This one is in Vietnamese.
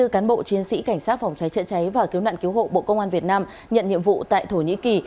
hai mươi cán bộ chiến sĩ cảnh sát phòng cháy chữa cháy và cứu nạn cứu hộ bộ công an việt nam nhận nhiệm vụ tại thổ nhĩ kỳ